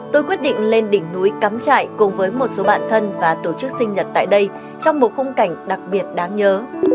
tôi quyết định lên đỉnh núi cắm trại cùng với một số bạn thân và tổ chức sinh nhật tại đây trong một khung cảnh đặc biệt đáng nhớ